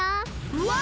うわ！